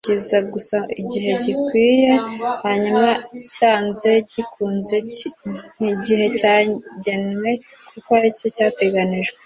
icyamamare kiza gusa igihe gikwiye, hanyuma byanze bikunze nkigihe cyagenwe, kuko aricyo cyateganijwe